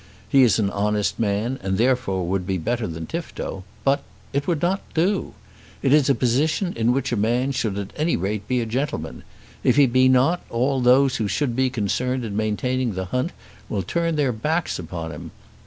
He is an honest man, and therefore would be better than Tifto. But it would not do. It is a position in which a man should at any rate be a gentleman. If he be not, all those who should be concerned in maintaining the hunt will turn their backs upon him.